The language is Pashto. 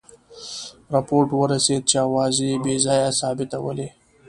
رپوټ ورسېد چې آوازې بې ځایه ثابتولې.